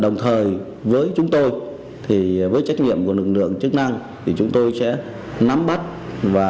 đồng thời với chúng tôi thì với trách nhiệm của lực lượng chức năng thì chúng tôi sẽ nắm bắt và